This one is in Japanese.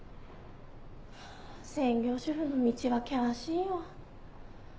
専業主婦の道は険しいよ。